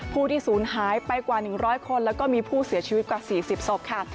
ผู้ที่ศูนย์หายไปกว่า๑๐๐คนแล้วก็มีผู้เสียชีวิตกว่า๔๐ศพค่ะ